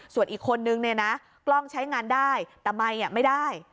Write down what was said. ส่วนอีกคนนึงเนี่ยนะกล้องใช้งานได้แต่ไมค์ไม่ได้